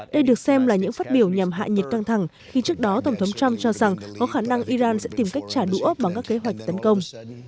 đây được xem là những phát biểu nhằm hạ nhiệt căng thẳng khi trước đó tổng thống trump cho rằng có khả năng iran sẽ tìm cách trả đũa bằng các kế hoạch tấn công